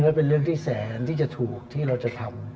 และเป็นเรื่องที่แสนที่จะถูกที่เราจะทำ